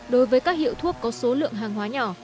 đối với các hiệu thuốc có số lượng hàng hóa nhỏ